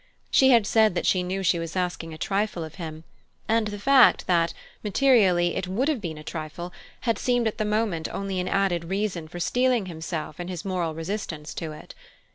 She had said that she knew she was asking a trifle of him; and the fact that, materially, it would have been a trifle, had seemed at the moment only an added reason for steeling himself in his moral resistance to it.